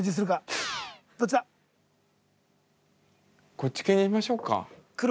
こっち系でいきましょうか。